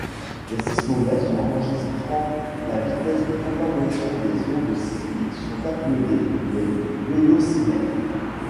Les sismomètres enregistrant la vitesse de propagation des ondes sismiques sont appelés des vélocimètres.